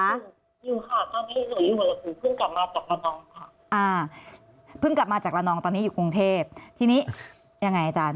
อ่าเพิ่งกลับมาจากละนองตอนนี้อยู่กรุงเทพฯทีนี้ยังไงอาจารย์